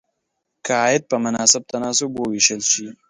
که عاید په مناسب تناسب وویشل شي.